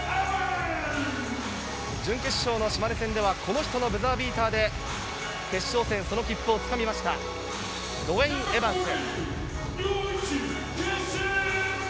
準決勝の島根戦ではこの人のブザービーターで決勝戦、その切符を掴みましたドウェイン・エバンス。